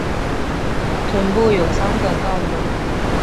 臀部有三个肛门。